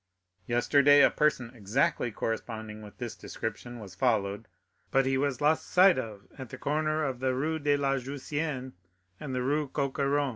Yesterday a person exactly corresponding with this description was followed, but he was lost sight of at the corner of the Rue de la Jussienne and the Rue Coq Héron."